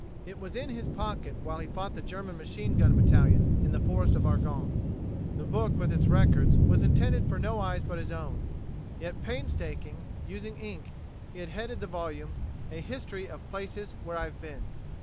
It was in his pocket while he fought the German machine gun battalion in the Forest of Argonne. The book with its records was intended for no eyes but his own. Yet painstaking, using ink, he had headed the volume: "A History of places where I have been."